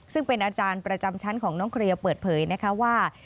ซึ่งเป็นอาจารย์ประจำชั้นของน้องเคลียร์เปิดเผยนะคะว่า